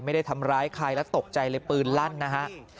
ไม่ได้ทำร้ายใครแล้วตกใจเลยปืนลั่นนะฮะ